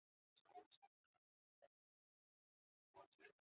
卡萨尼亚人口变化图示